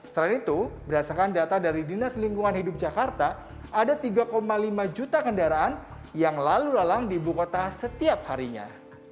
selain itu berdasarkan data dari dinas lingkungan hidup jakarta ada tiga lima juta kendaraan yang lalu lalang di ibu kota setiap harinya